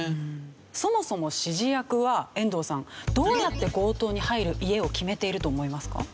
そもそも指示役は遠藤さんどうやって強盗に入る家を決めていると思いますか？